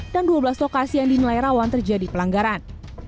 dan dua belas lokasi yang dinilai rawan terjadi pelanggaran